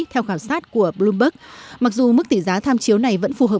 theo khảo sát của bloomberg mặc dù mức tỷ giá tham chiếu này vẫn phù hợp